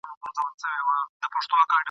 زه پوهېدم څوک به دي نه خبروي !.